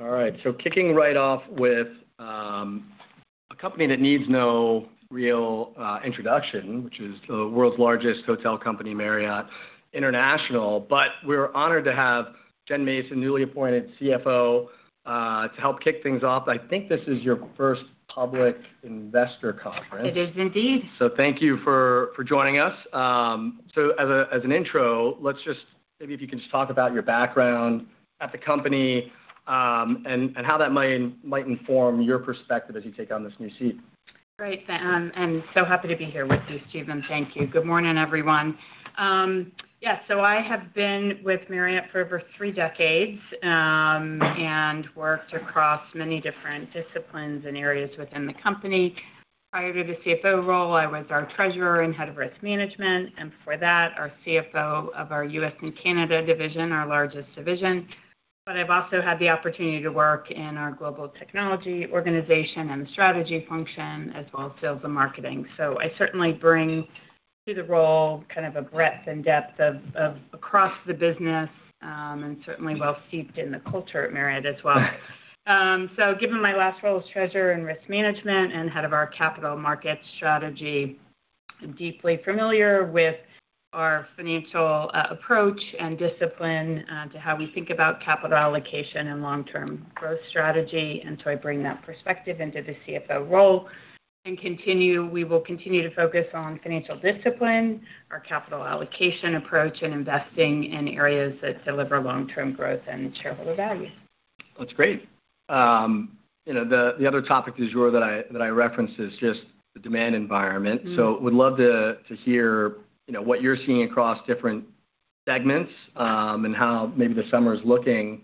All right. Kicking right off with a company that needs no real introduction, just a world's largest hotel company, Marriott International. We're honored to have Jen Mason, newly appointed CFO, to help kick things off. I think this is your first public investor conference. It is indeed. Thank you for joining us. As an intro, let's just, maybe if you can just talk about your background at the company, and how that might inform your perspective as you take on this new seat. Great. I'm so happy to be here with you, Stephen. Thank you. Good morning, everyone. Yes, I have been with Marriott for over three decades, and worked across many different disciplines and areas within the company. Prior to the CFO role, I was our treasurer and head of risk management, and before that, our CFO of our U.S. and Canada division, our largest division. I've also had the opportunity to work in our global technology organization and the strategy function, as well as sales and marketing. I certainly bring to the role kind of a breadth and depth of across the business, and certainly well steeped in the culture at Marriott as well. Given my last role as treasurer and risk management and head of our capital markets strategy, I'm deeply familiar with our financial approach and discipline to how we think about capital allocation and long-term growth strategy. I bring that perspective into the CFO role. We will continue to focus on financial discipline, our capital allocation approach, and investing in areas that deliver long-term growth and shareholder value. That's great. The other topic du jour that I referenced is just the demand environment. Would love to hear what you're seeing across different segments, and how maybe the summer's looking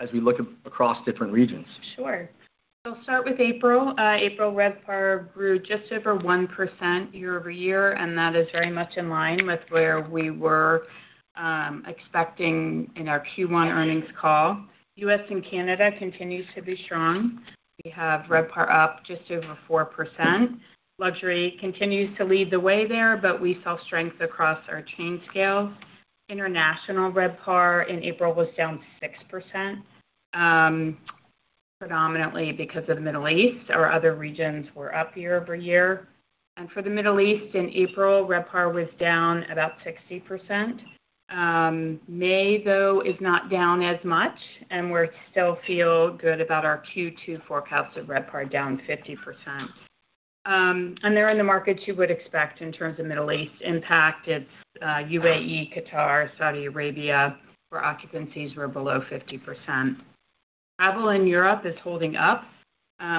as we look across different regions. Sure. I'll start with April. April RevPAR grew just over 1% year-over-year, and that is very much in line with where we were expecting in our Q1 earnings call. U.S. and Canada continues to be strong. We have RevPAR up just over 4%. Luxury continues to lead the way there, but we saw strength across our chain scale. International RevPAR in April was down 6%, predominantly because of the Middle East. Our other regions were up year-over-year. For the Middle East in April, RevPAR was down about 60%. May, though, is not down as much, and we still feel good about our Q2 forecast of RevPAR down 50%. They're in the markets you would expect in terms of Middle East impact. It's UAE, Qatar, Saudi Arabia, where occupancies were below 50%. Travel in Europe is holding up.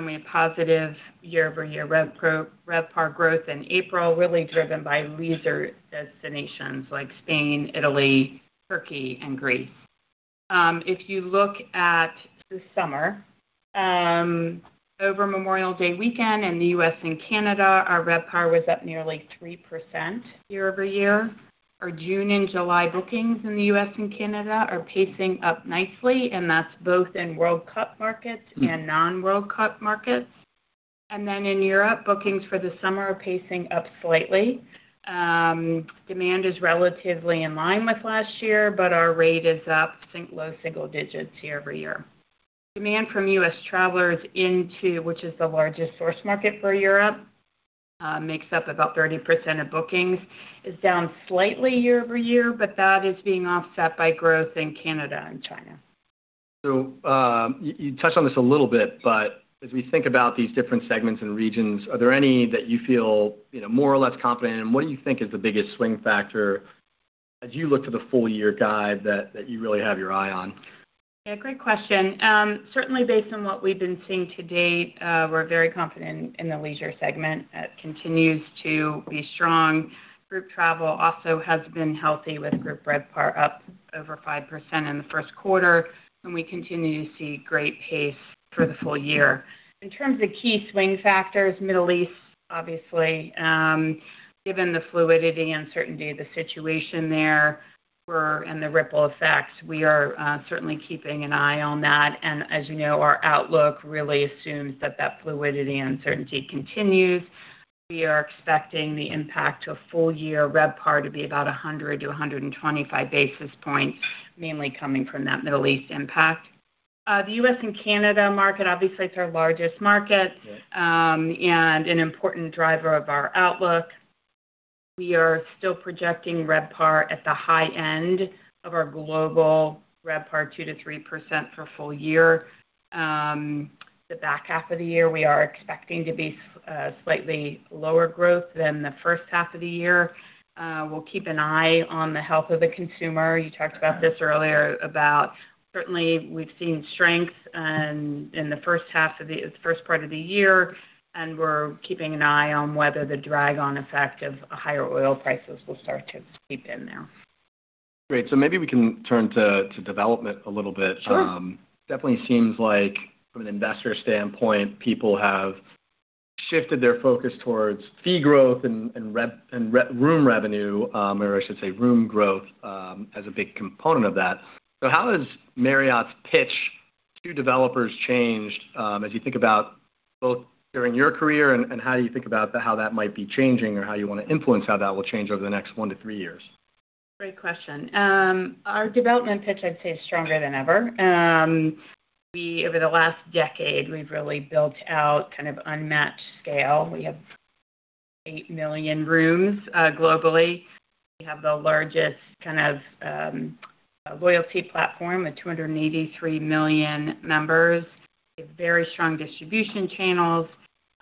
We had positive year-over-year RevPAR growth in April, really driven by leisure destinations like Spain, Italy, Turkey, and Greece. If you look at the summer, over Memorial Day weekend in the U.S. and Canada, our RevPAR was up nearly 3% year-over-year. Our June and July bookings in the U.S. and Canada are pacing up nicely, and that's both in World Cup markets and non-World Cup markets. In Europe, bookings for the summer are pacing up slightly. Demand is relatively in line with last year, but our rate is up low single digits year-over-year. Demand from U.S. travelers into, which is the largest source market for Europe, makes up about 30% of bookings, is down slightly year-over-year, but that is being offset by growth in Canada and China. You touched on this a little bit, but as we think about these different segments and regions, are there any that you feel more or less confident in? What do you think is the biggest swing factor as you look to the full-year guide that you really have your eye on? Yeah, great question. Certainly based on what we've been seeing to date, we're very confident in the leisure segment. That continues to be strong. Group travel also has been healthy with group RevPAR up over 5% in the first quarter, and we continue to see great pace for the full year. In terms of key swing factors, Middle East, obviously, given the fluidity and certainty of the situation there and the ripple effects, we are certainly keeping an eye on that. As you know, our outlook really assumes that that fluidity and uncertainty continues. We are expecting the impact to a full-year RevPAR to be about 100 to 125 basis points, mainly coming from that Middle East impact. The U.S. and Canada market, obviously, it's our largest market. Yeah. An important driver of our outlook. We are still projecting RevPAR at the high end of our global RevPAR, 2%-3% for full year. The back half of the year, we are expecting to be slightly lower growth than the first half of the year. We'll keep an eye on the health of the consumer. You talked about this earlier about certainly we've seen strength in the first part of the year, and we're keeping an eye on whether the drag-on effect of higher oil prices will start to seep in there. Great. Maybe we can turn to development a little bit. Sure. Definitely seems like from an investor standpoint, people have shifted their focus towards fee growth and room revenue, or I should say room growth, as a big component of that. How has Marriott's pitch to developers changed as you think about both during your career, and how do you think about how that might be changing or how you want to influence how that will change over the next one to three years? Great question. Our development pitch, I'd say, is stronger than ever. Over the last decade, we've really built out unmatched scale. We have 8 million rooms globally. We have the largest kind of loyalty platform with 283 million members. We have very strong distribution channels.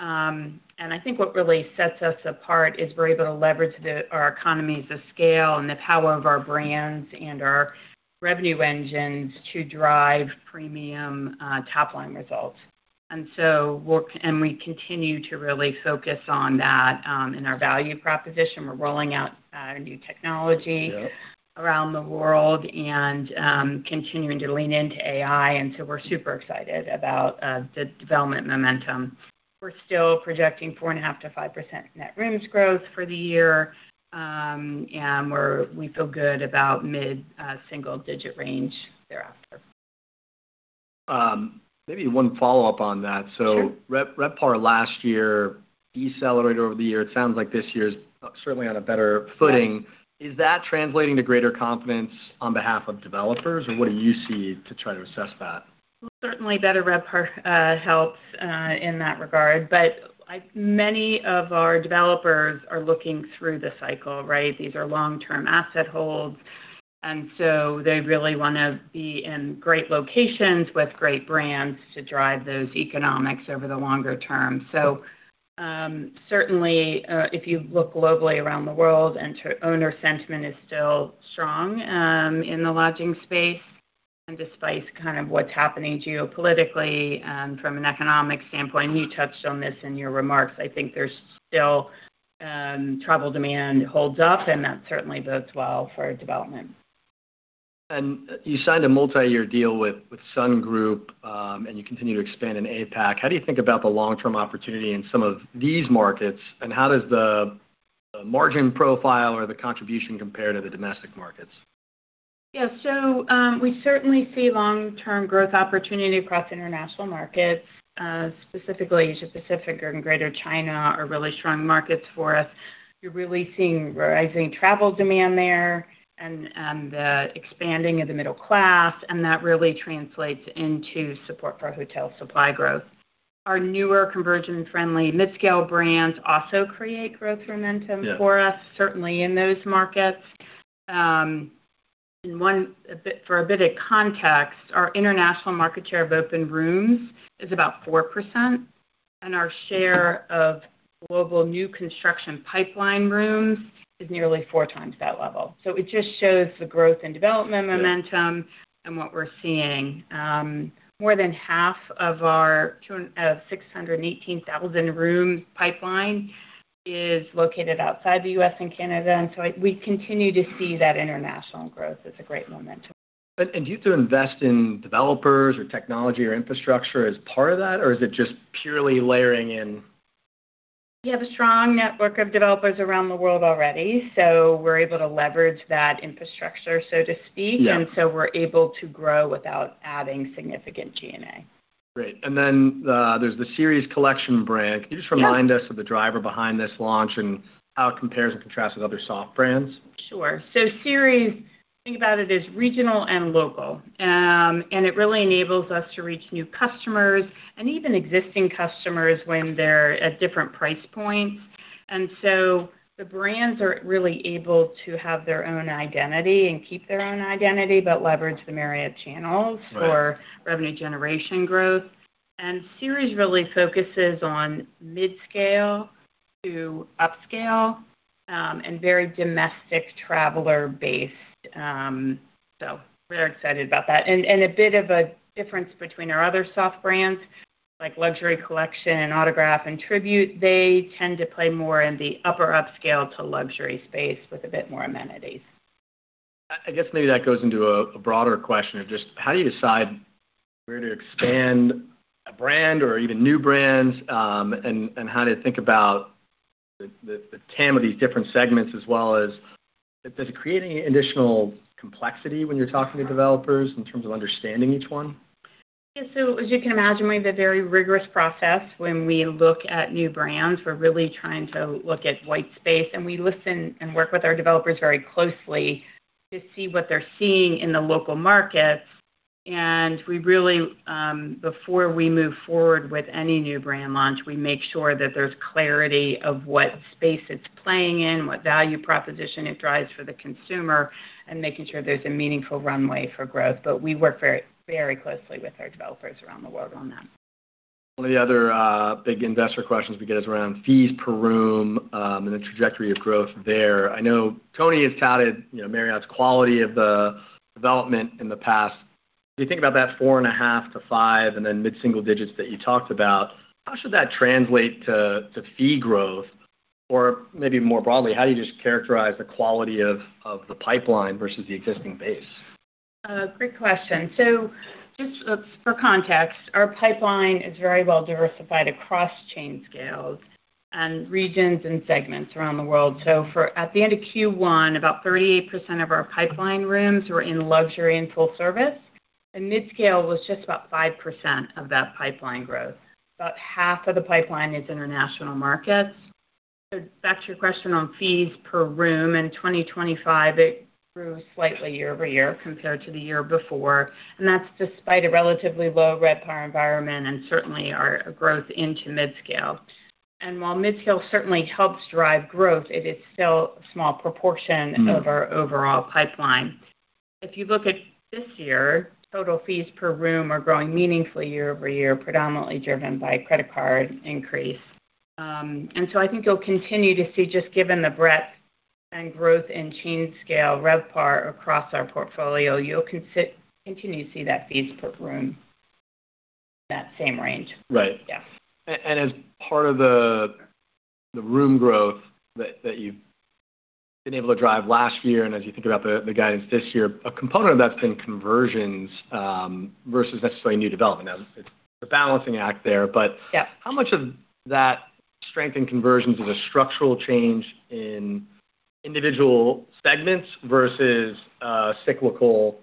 I think what really sets us apart is we're able to leverage our economies of scale and the power of our brands and our revenue engines to drive premium top-line results. We continue to really focus on that in our value proposition. We're rolling out new technology. Yeah. Around the world, and continuing to lean into AI. We're super excited about the development momentum. We're still projecting 4.5%-5% net rooms growth for the year, and we feel good about mid-single digit range thereafter. Maybe one follow-up on that. Sure. RevPAR last year decelerated over the year. It sounds like this year's certainly on a better footing. Is that translating to greater confidence on behalf of developers? Or what do you see to try to assess that? Certainly better RevPAR helps in that regard. Many of our developers are looking through the cycle, right? These are long-term asset holds, they really want to be in great locations with great brands to drive those economics over the longer term. Certainly, if you look globally around the world, owner sentiment is still strong in the lodging space. Despite what's happening geopolitically from an economic standpoint, you touched on this in your remarks, I think travel demand holds up, and that certainly bodes well for development. You signed a multi-year deal with Sun Group, and you continue to expand in APAC. How do you think about the long-term opportunity in some of these markets, and how does the margin profile or the contribution compare to the domestic markets? Yeah. We certainly see long-term growth opportunity across international markets, specifically Asia-Pacific or in Greater China are really strong markets for us. You're really seeing rising travel demand there and the expanding of the middle class, and that really translates into support for hotel supply growth. Our newer conversion-friendly midscale brands also create growth momentum. Yeah. For us, certainly in those markets. For a bit of context, our international market share of open rooms is about 4%, and our share of global new construction pipeline rooms is nearly four times that level. It just shows the growth in development momentum. Yeah. What we're seeing. More than half of our 618,000 room pipeline is located outside the U.S. and Canada, and so we continue to see that international growth as a great momentum. Do you have to invest in developers or technology or infrastructure as part of that, or is it just purely layering in? We have a strong network of developers around the world already, so we're able to leverage that infrastructure, so to speak. Yeah. We're able to grow without adding significant G&A. Great. There's the Series collection brand. Yeah. Can you just remind us of the driver behind this launch and how it compares and contrasts with other soft brands? Sure. Series, think about it as regional and local. It really enables us to reach new customers and even existing customers when they're at different price points. The brands are really able to have their own identity and keep their own identity, but leverage the Marriott channels. Right. For revenue generation growth. Series really focuses on midscale to upscale, and very domestic traveler based. We're excited about that. A bit of a difference between our other soft brands like Luxury Collection and Autograph and Tribute, they tend to play more in the upper upscale to luxury space with a bit more amenities. I guess maybe that goes into a broader question of just how do you decide where to expand a brand or even new brands, and how to think about the TAM of these different segments as well as does it create any additional complexity when you're talking to developers in terms of understanding each one? Yes. As you can imagine, we have a very rigorous process when we look at new brands. We're really trying to look at white space, and we listen and work with our developers very closely to see what they're seeing in the local markets. Before we move forward with any new brand launch, we make sure that there's clarity of what space it's playing in, what value proposition it drives for the consumer, and making sure there's a meaningful runway for growth. We work very closely with our developers around the world on that. One of the other big investor questions we get is around fees per room, and the trajectory of growth there. I know Tony has touted Marriott's quality of the development in the past. When you think about that 4.5-5 and then mid-single digits that you talked about, how should that translate to fee growth? Maybe more broadly, how do you just characterize the quality of the pipeline versus the existing base? Great question. Just for context, our pipeline is very well diversified across chain scales and regions and segments around the world. For at the end of Q1, about 38% of our pipeline rooms were in luxury and full service. Midscale was just about 5% of that pipeline growth. About half of the pipeline is international markets. Back to your question on fees per room in 2025, it grew slightly year-over-year compared to the year before, and that's despite a relatively low RevPAR environment and certainly our growth into midscale. While midscale certainly helps drive growth, it is still a small proportion of our overall pipeline. If you look at this year, total fees per room are growing meaningfully year-over-year, predominantly driven by credit card increase. I think you'll continue to see, just given the breadth and growth in chain scale, RevPAR across our portfolio, you'll continue to see that fees per room in that same range. Right. Yeah. As part of the room growth that you've been able to drive last year and as you think about the guidance this year, a component of that's been conversions versus necessarily new development. It's a balancing act there. Yeah. How much of that strength in conversions is a structural change in individual segments versus a cyclical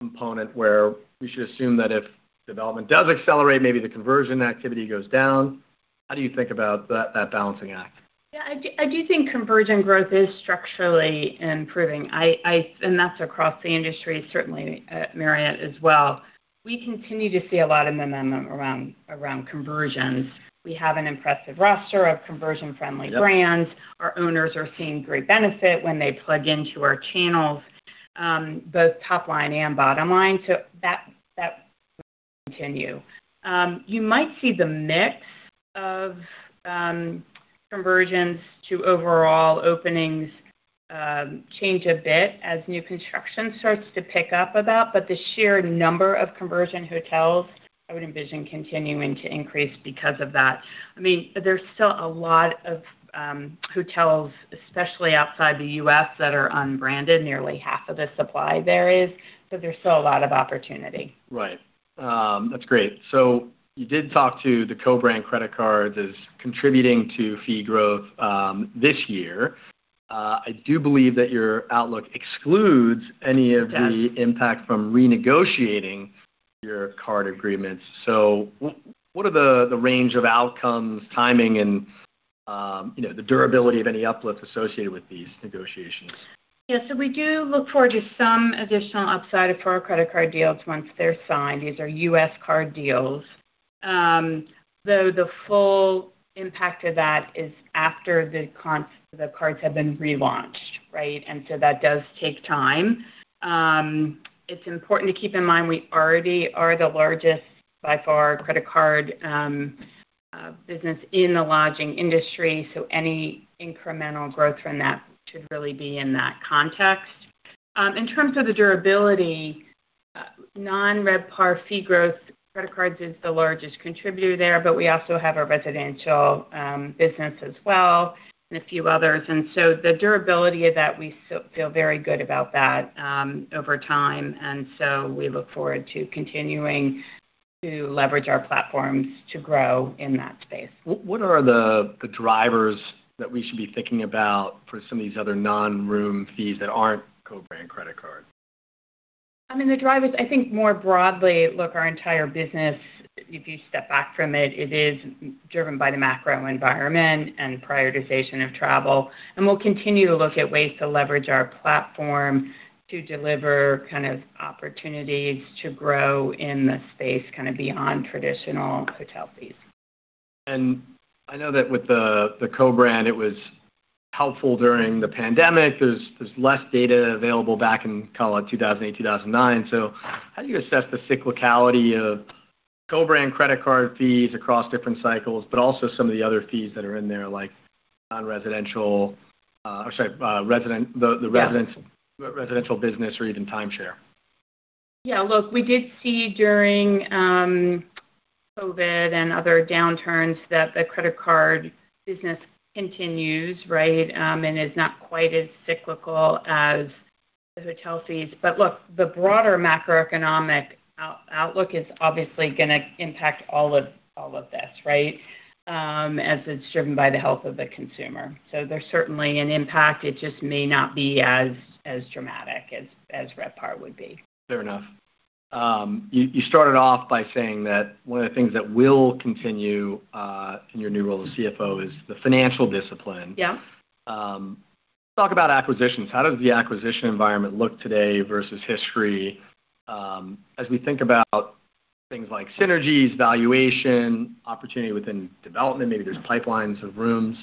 component where we should assume that if development does accelerate, maybe the conversion activity goes down? How do you think about that balancing act? Yeah, I do think conversion growth is structurally improving. That's across the industry, certainly at Marriott as well. We continue to see a lot of momentum around conversions. We have an impressive roster of conversion-friendly brands. Yep. Our owners are seeing great benefit when they plug into our channels, both top line and bottom line. That will continue. You might see the mix of conversions to overall openings change a bit as new construction starts to pick up a bit, but the sheer number of conversion hotels, I would envision continuing to increase because of that. There's still a lot of hotels, especially outside the U.S., that are unbranded. Nearly half of the supply there is, so there's still a lot of opportunity. Right. That's great. You did talk to the co-brand credit cards as contributing to fee growth this year. I do believe that your outlook excludes any- Yes. Of the impact from renegotiating your card agreements. What are the range of outcomes, timing, and the durability of any uplifts associated with these negotiations? Yes, we do look forward to some additional upside for our credit card deals once they're signed. These are U.S. card deals. The full impact of that is after the cards have been relaunched, right? That does take time. It's important to keep in mind we already are the largest, by far, credit card business in the lodging industry, any incremental growth from that should really be in that context. In terms of the durability, non-RevPAR fee growth, credit cards is the largest contributor there, we also have our residential business as well and a few others. The durability of that, we feel very good about that over time, we look forward to continuing to leverage our platforms to grow in that space. What are the drivers that we should be thinking about for some of these other non-room fees that aren't co-brand credit cards? I mean the drivers, I think more broadly, our entire business, if you step back from it is driven by the macro environment and prioritization of travel. We'll continue to look at ways to leverage our platform to deliver kind of opportunities to grow in the space kind of beyond traditional hotel fees. I know that with the co-brand, it was helpful during the pandemic. There's less data available back in, call it 2008, 2009. How do you assess the cyclicality of co-brand credit card fees across different cycles, but also some of the other fees that are in there, like non-residential, or sorry, the residential- Yeah. Business or even timeshare? Yeah, look, we did see during COVID and other downturns that the credit card business continues, right, and is not quite as cyclical as the hotel fees. Look, the broader macroeconomic outlook is obviously going to impact all of this, right? As it's driven by the health of the consumer. There's certainly an impact. It just may not be as dramatic as RevPAR would be. Fair enough. You started off by saying that one of the things that will continue in your new role as CFO is the financial discipline. Yeah. Let's talk about acquisitions. How does the acquisition environment look today versus history as we think about things like synergies, valuation, opportunity within development? Maybe there's pipelines of rooms.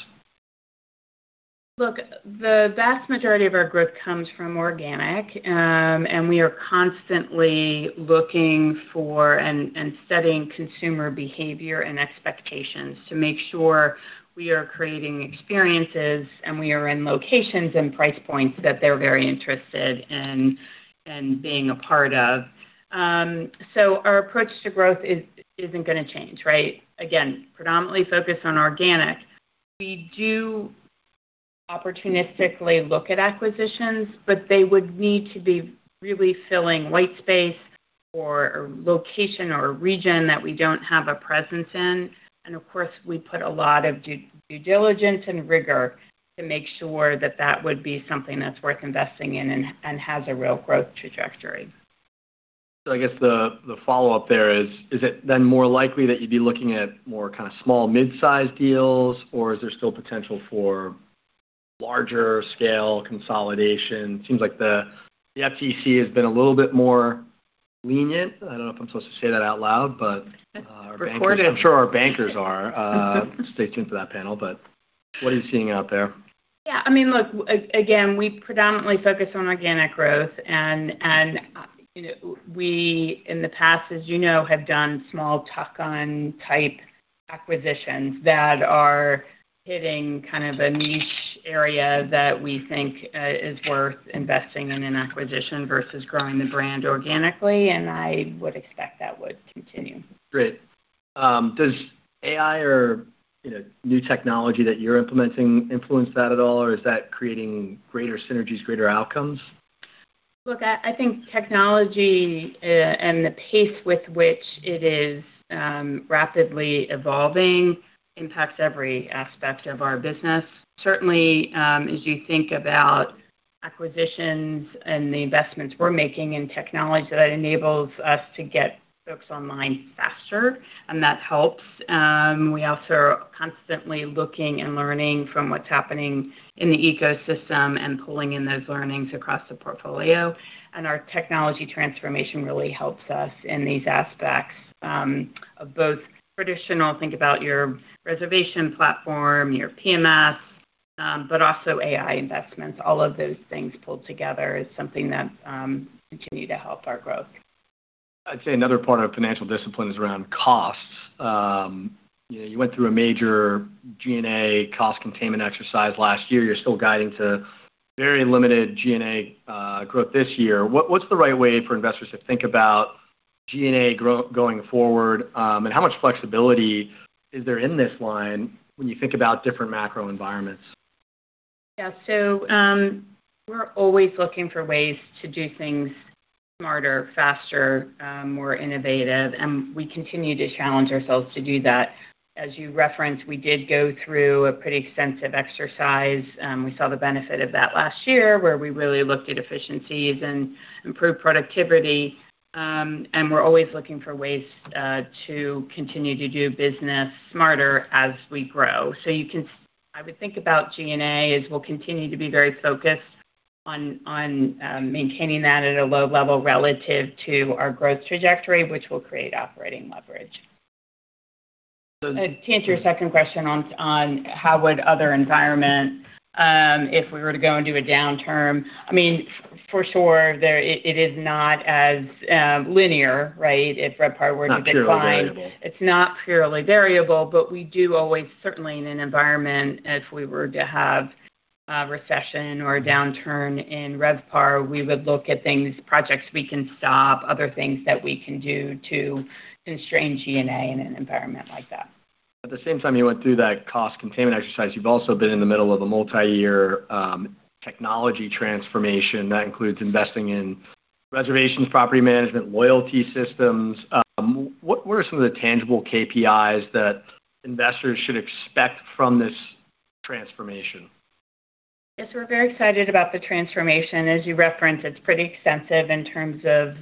Look, the vast majority of our growth comes from organic, and we are constantly looking for and studying consumer behavior and expectations to make sure we are creating experiences and we are in locations and price points that they're very interested in being a part of. Our approach to growth isn't going to change, right? Again, predominantly focused on organic. We do opportunistically look at acquisitions, but they would need to be really filling white space or a location or a region that we don't have a presence in. Of course, we put a lot of due diligence and rigor to make sure that that would be something that's worth investing in and has a real growth trajectory. I guess the follow-up there is it then more likely that you'd be looking at more small, mid-size deals? Is there still potential for larger scale consolidation? It seems like the FTC has been a little bit more lenient. I don't know if I'm supposed to say that out loud. Record it. I'm sure our bankers are. Stay tuned for that panel, but what are you seeing out there? Yeah. Look, again, we predominantly focus on organic growth and we, in the past, as you know, have done small tuck-on type acquisitions that are hitting a niche area that we think is worth investing in acquisition versus growing the brand organically. I would expect that would continue. Great. Does AI or new technology that you're implementing influence that at all, or is that creating greater synergies, greater outcomes? I think technology, and the pace with which it is rapidly evolving impacts every aspect of our business. Certainly, as you think about acquisitions and the investments we're making in technology, that enables us to get folks online faster, and that helps. We also are constantly looking and learning from what's happening in the ecosystem and pulling in those learnings across the portfolio, and our technology transformation really helps us in these aspects, of both traditional, think about your reservation platform, your PMS, but also AI investments. All of those things pulled together is something that continue to help our growth. I'd say another part of financial discipline is around costs. You went through a major G&A cost containment exercise last year. You're still guiding to very limited G&A growth this year. What's the right way for investors to think about G&A going forward, and how much flexibility is there in this line when you think about different macro environments? Yeah. We're always looking for ways to do things smarter, faster, more innovative, and we continue to challenge ourselves to do that. As you referenced, we did go through a pretty extensive exercise. We saw the benefit of that last year where we really looked at efficiencies and improved productivity. We're always looking for ways to continue to do business smarter as we grow. I would think about G&A as we'll continue to be very focused on maintaining that at a low level relative to our growth trajectory, which will create operating leverage. To answer your second question on how would other environment, if we were to go into a downturn, for sure, it is not as linear, right? If RevPAR were to decline. Not purely variable. It's not purely variable, but we do always, certainly in an environment, if we were to have a recession or a downturn in RevPAR, we would look at things, projects we can stop, other things that we can do to constrain G&A in an environment like that. At the same time you went through that cost containment exercise, you've also been in the middle of a multi-year technology transformation that includes investing in reservations, property management, loyalty systems. What are some of the tangible KPIs that investors should expect from this transformation? Yes, we're very excited about the transformation. As you referenced, it's pretty extensive in terms of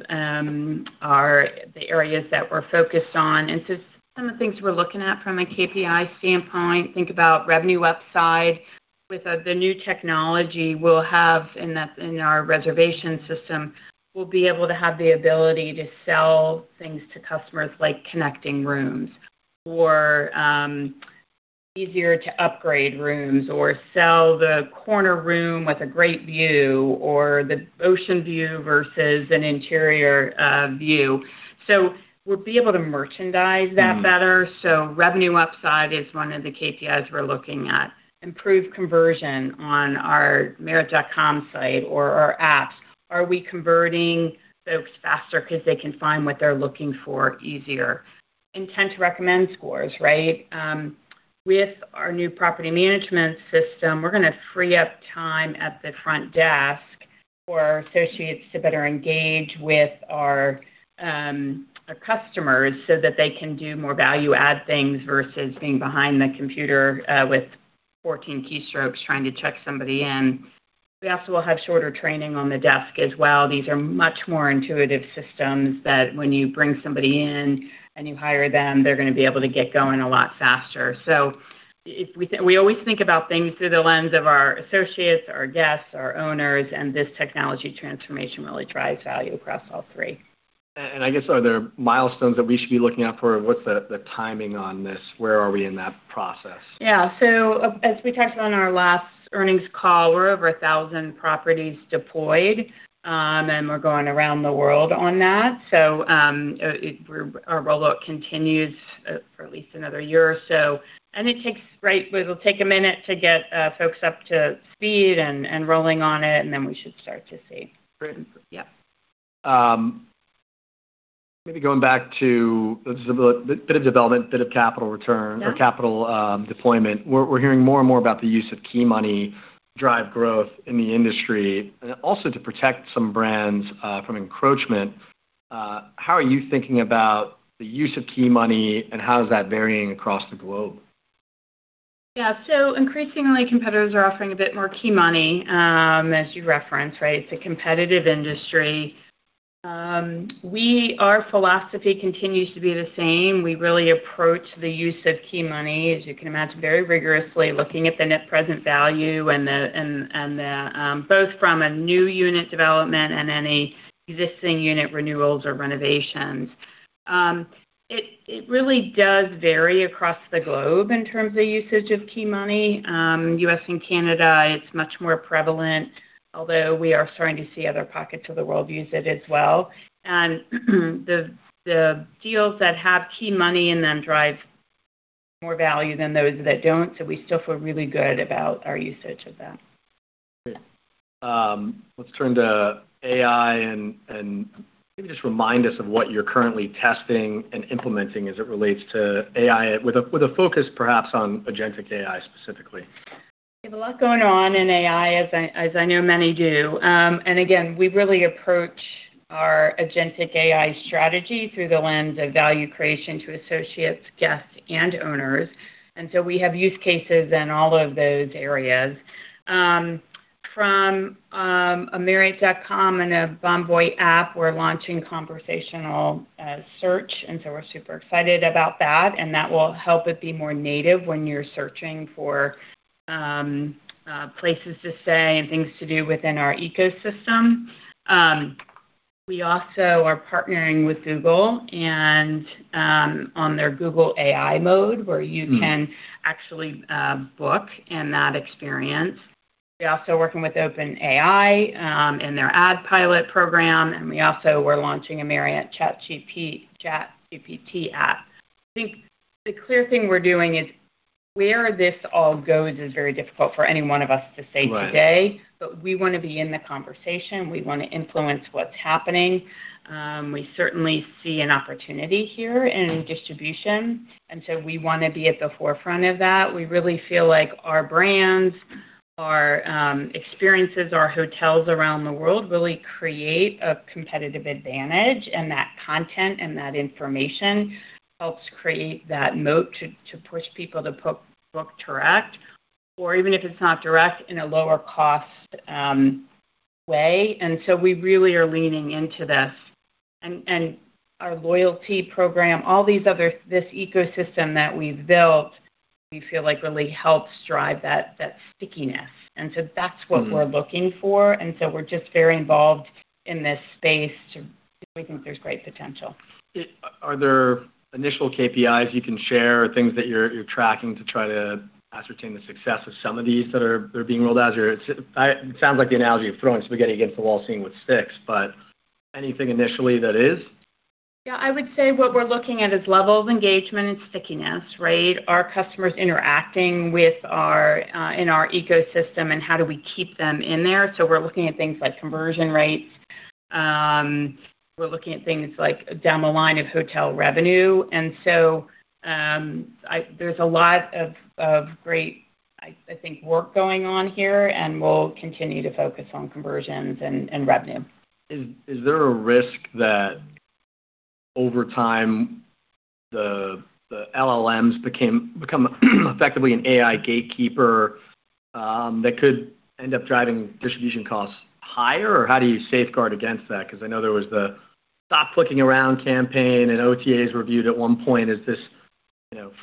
the areas that we're focused on. Some of the things we're looking at from a KPI standpoint, think about revenue upside. With the new technology we'll have in our reservation system, we'll be able to have the ability to sell things to customers like connecting rooms or easier to upgrade rooms or sell the corner room with a great view or the ocean view versus an interior view. We'll be able to merchandise that better. Revenue upside is one of the KPIs we're looking at. Improved conversion on our marriott.com site or our apps. Are we converting folks faster because they can find what they're looking for easier? Intent to recommend scores. With our new property management system, we're going to free up time at the front desk for our associates to better engage with our customers so that they can do more value add things versus being behind the computer, with 14 keystrokes trying to check somebody in. We also will have shorter training on the desk as well. These are much more intuitive systems that when you bring somebody in and you hire them, they're going to be able to get going a lot faster. We always think about things through the lens of our associates, our guests, our owners, and this technology transformation really drives value across all three. I guess, are there milestones that we should be looking out for? What's the timing on this? Where are we in that process? Yeah. As we touched on our last earnings call, we're over 1,000 properties deployed, and we're going around the world on that. Our rollout continues for at least another year or so, and it takes, right, it'll take a minute to get folks up to speed and rolling on it, and then we should start to see. Brilliant. Yeah. Maybe going back to a bit of development, bit of capital return. Yeah. Or capital deployment. We're hearing more and more about the use of key money drive growth in the industry, and also to protect some brands from encroachment. How are you thinking about the use of key money, and how is that varying across the globe? Increasingly, competitors are offering a bit more key money, as you referenced, right? It's a competitive industry. Our philosophy continues to be the same. We really approach the use of key money, as you can imagine, very rigorously, looking at the net present value, both from a new unit development and any existing unit renewals or renovations. It really does vary across the globe in terms of usage of key money. U.S. and Canada, it's much more prevalent, although we are starting to see other pockets of the world use it as well. The deals that have key money in them drive more value than those that don't, so we still feel really good about our usage of that. Great. Let's turn the AI and maybe just remind us of what you're currently testing and implementing as it relates to AI, with a focus perhaps on agentic AI specifically. We have a lot going on in AI, as I know many do. We really approach our agentic AI strategy through the lens of value creation to associates, guests, and owners. We have use cases in all of those areas. From marriott.com and a Bonvoy app, we're launching conversational search, we're super excited about that, and that will help it be more native when you're searching for places to stay and things to do within our ecosystem. We also are partnering with Google on their Google AI Mode, where you can actually book in that experience. We're also working with OpenAI in their Ad Pilot program, we also are launching a Marriott ChatGPT app. I think the clear thing we're doing is where this all goes is very difficult for any one of us to say today. Right. We want to be in the conversation. We want to influence what's happening. We certainly see an opportunity here in distribution, and so we want to be at the forefront of that. We really feel like our brands, our experiences, our hotels around the world really create a competitive advantage, and that content and that information helps create that moat to push people to book direct, or even if it's not direct, in a lower cost way. We really are leaning into this. Our loyalty program, all this ecosystem that we've built, we feel like really helps drive that stickiness. That's what we're looking for, and so we're just very involved in this space because we think there's great potential. Are there initial KPIs you can share or things that you're tracking to try to ascertain the success of some of these that are being rolled out? It sounds like the analogy of throwing spaghetti against the wall, seeing what sticks, but anything initially that is? Yeah. I would say what we're looking at is level of engagement and stickiness, right? Are customers interacting in our ecosystem, and how do we keep them in there? We're looking at things like conversion rates. We're looking at things down the line of hotel revenue. There's a lot of great, I think, work going on here, and we'll continue to focus on conversions and revenue. Is there a risk that over time, the LLMs become effectively an AI gatekeeper that could end up driving distribution costs higher? How do you safeguard against that? Because I know there was the stop clicking around campaign, and OTAs were viewed at one point as this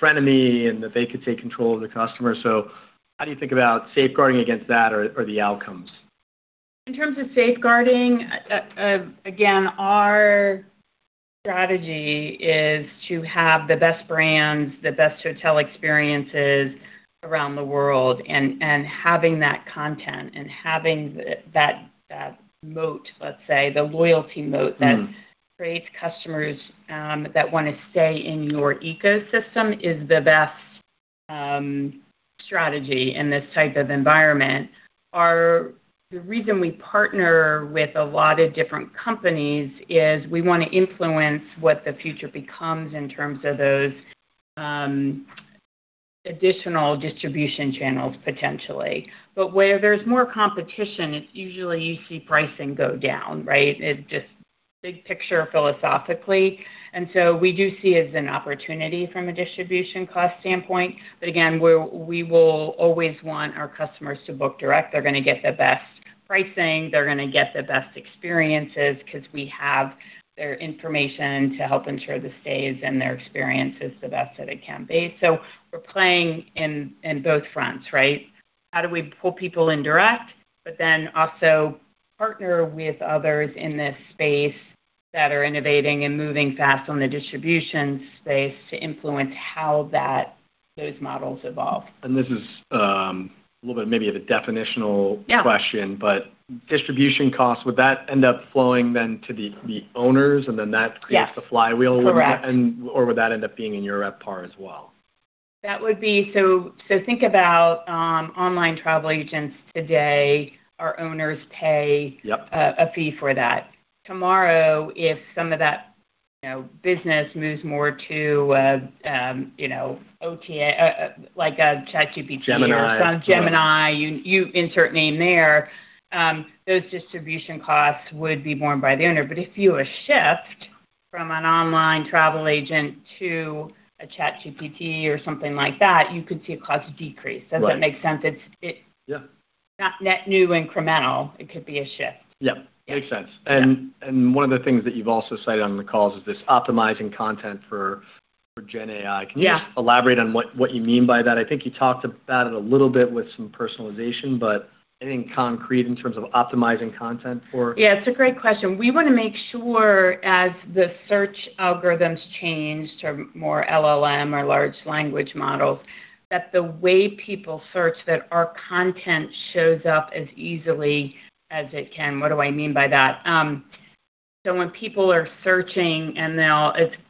frenemy, and that they could take control of the customer. How do you think about safeguarding against that or the outcomes? In terms of safeguarding, again, our strategy is to have the best brands, the best hotel experiences around the world, and having that content and having that moat, let's say, the loyalty moat, that creates customers that want to stay in your ecosystem is the best strategy in this type of environment. The reason we partner with a lot of different companies is we want to influence what the future becomes in terms of those additional distribution channels, potentially. Where there's more competition, it's usually you see pricing go down, right? It's just big picture philosophically. We do see it as an opportunity from a distribution cost standpoint. Again, we will always want our customers to book direct. They're going to get the best pricing. They're going to get the best experiences because we have their information to help ensure the stays and their experience is the best that it can be. We're playing in both fronts, right? How do we pull people in direct, also partner with others in this space that are innovating and moving fast on the distribution space to influence how those models evolve. This is a little bit maybe of a definitional question. Yeah. Distribution costs, would that end up flowing then to the owners, and then that creates the flywheel? Yeah. Correct. Would that end up being in your RevPAR as well? Think about online travel agents today. Our owners pay a fee for that. Tomorrow, if some of that business moves more to OTA, like a ChatGPT. Gemini. Some Gemini, you insert name there, those distribution costs would be borne by the owner. If you shift from an online travel agent to a ChatGPT or something like that, you could see a cost decrease. Right. Does that make sense? Yeah. It's not net new incremental. It could be a shift. Yep. Makes sense. One of the things that you've also cited on the calls is this optimizing content for Gen AI. Yeah. Can you just elaborate on what you mean by that? I think you talked about it a little bit with some personalization, but anything concrete in terms of optimizing content for. Yeah, it's a great question. We want to make sure as the search algorithms change to more LLM or large language models, that the way people search, that our content shows up as easily as it can. What do I mean by that? When people are searching and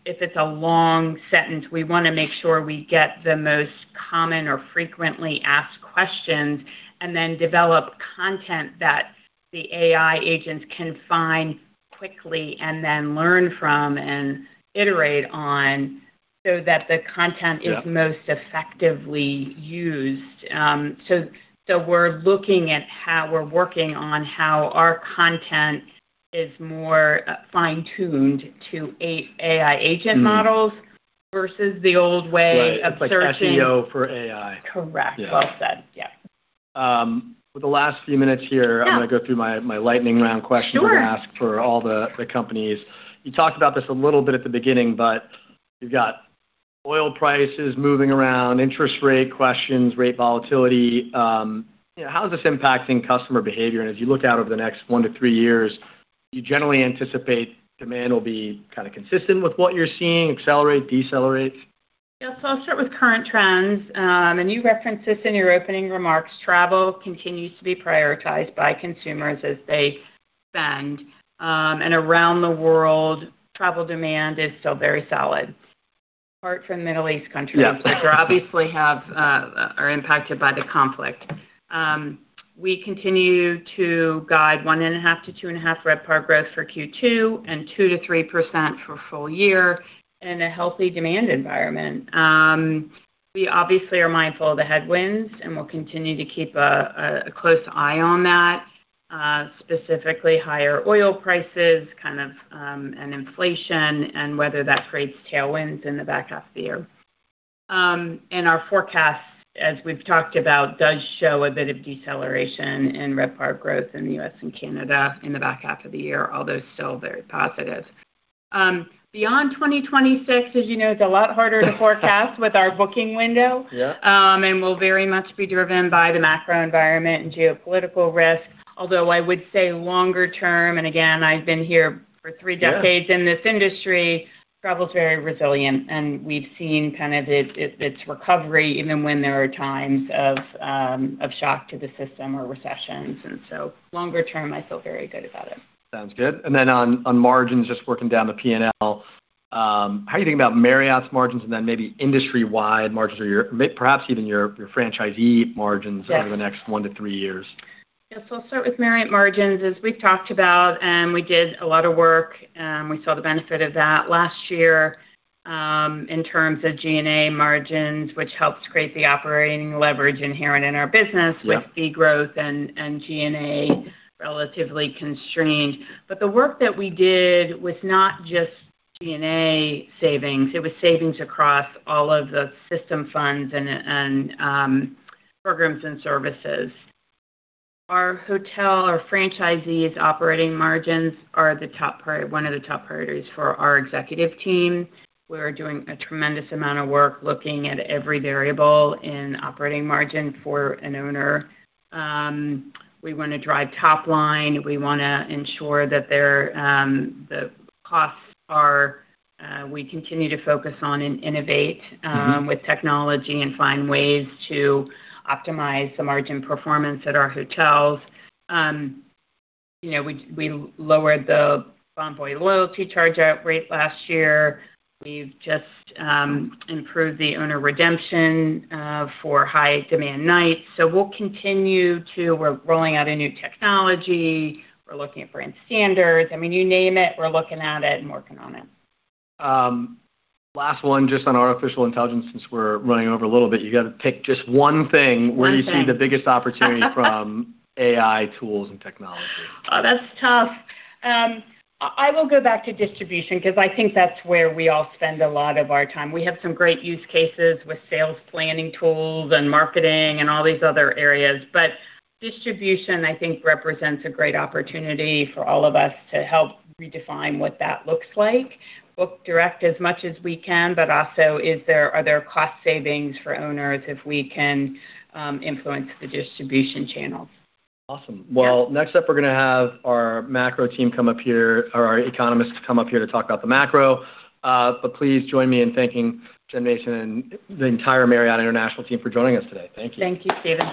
if it's a long sentence, we want to make sure we get the most common or frequently asked questions, and then develop content that the AI agents can find quickly and then learn from and iterate on, so that the content. Yeah. Is most effectively used. We're looking at how we're working on how our content is more fine-tuned to AI agent models. Versus the old way of searching. Right. It's like SEO for AI. Correct. Yeah. Well said. Yeah. With the last few minutes here. Yeah. I'm going to go through my lightning round questions. Sure. We ask for all the companies. You talked about this a little bit at the beginning, but you've got oil prices moving around, interest rate questions, rate volatility. How is this impacting customer behavior? As you look out over the next one to three years, you generally anticipate demand will be consistent with what you're seeing, accelerate, decelerate? Yeah. I'll start with current trends. You referenced this in your opening remarks, travel continues to be prioritized by consumers as they spend. Around the world, travel demand is still very solid, apart from Middle East countries. Yeah. Which are obviously are impacted by the conflict. We continue to guide 1.5%-2.5% RevPAR growth for Q2, and 2%-3% for full year in a healthy demand environment. We obviously are mindful of the headwinds, and we'll continue to keep a close eye on that. Specifically, higher oil prices, and inflation, and whether that creates tailwinds in the back half of the year. Our forecast, as we've talked about, does show a bit of deceleration in RevPAR growth in the U.S. and Canada in the back half of the year, although still very positive. Beyond 2026, as you know, it's a lot harder to forecast with our booking window. Yeah. Will very much be driven by the macro environment and geopolitical risk. I would say longer term, and again, I've been here for three decades. Yeah. In this industry, travel's very resilient, and we've seen its recovery even when there are times of shock to the system or recessions. Longer term, I feel very good about it. Sounds good. On margins, just working down the P&L, how are you thinking about Marriott's margins and then maybe industry-wide margins, or perhaps even your franchisee margins. Yes. Over the next one to three years? I'll start with Marriott margins. As we've talked about, we did a lot of work. We saw the benefit of that last year, in terms of G&A margins, which helps create the operating leverage inherent in our business. Yeah. With fee growth and G&A relatively constrained. The work that we did was not just G&A savings. It was savings across all of the system funds and programs and services. Our hotel, our franchisees' operating margins are one of the top priorities for our executive team. We're doing a tremendous amount of work looking at every variable in operating margin for an owner. We want to drive top line. We want to ensure that there, we continue to focus on and innovate with technology and find ways to optimize the margin performance at our hotels. We lowered the Bonvoy loyalty charge-out rate last year. We've just improved the owner redemption for high-demand nights. We'll continue to. We're rolling out a new technology. We're looking at brand standards. You name it, we're looking at it and working on it. Last one, just on artificial intelligence, since we're running over a little bit. You got to pick just one thing- One thing. Where you see the biggest opportunity from AI tools and technology? Oh, that's tough. I will go back to distribution, because I think that's where we all spend a lot of our time. We have some great use cases with sales planning tools and marketing and all these other areas, but distribution, I think, represents a great opportunity for all of us to help redefine what that looks like. Book direct as much as we can, but also are there cost savings for owners if we can influence the distribution channels? Awesome. Well, next up, we're going to have our macro team come up here, or our economists come up here to talk about the macro. Please join me in thanking Jen Mason and the entire Marriott International team for joining us today. Thank you. Thank you, Stephen.